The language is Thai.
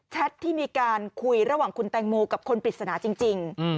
ที่มีการคุยระหว่างคุณแตงโมกับคนปริศนาจริง